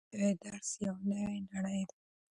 هر نوی درس یوه نوې نړۍ ده.